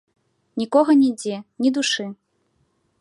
Нікога нідзе, ні душы.